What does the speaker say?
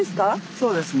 そうですね。